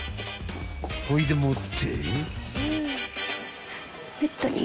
［ほいでもって］